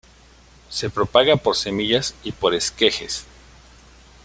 Se propaga por semillas y por esquejes.